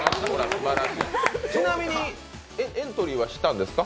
ちなみにエントリーはしたんですか？